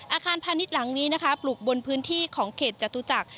อาคารพาณิชย์หลังนี้นะคะปลูกบนพื้นที่ของเขตจตุจักร